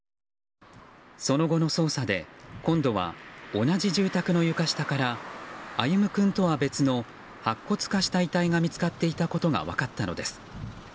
その後の捜査で今度は同じ住宅の床下から歩夢君とは別の白骨化した遺体が見つかっていたことが分かったのです。